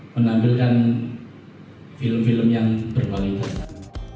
menampilkan film film yang berkualitas